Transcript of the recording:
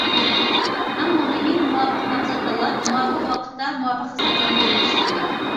ئەڭ مۇھىمى مۇۋاپىق نامزات تاللاپ، مۇۋاپىق ۋاقىتتا، مۇۋاپىق خىزمەتلەرنى ئورۇندىشى كېرەك.